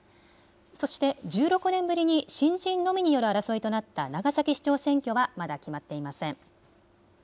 そして１６年ぶりに新人のみによる争いとなった長崎市長選挙はまだ決まっていません。